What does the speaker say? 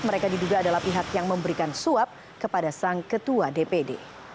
mereka diduga adalah pihak yang memberikan suap kepada sang ketua dpd